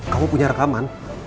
kamu punya rekaman